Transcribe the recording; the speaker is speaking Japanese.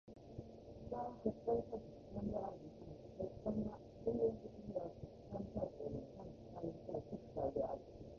主観は客観に対して主観であるに反して、主体は根源的には客観に対してよりも他の主体に対して主体である。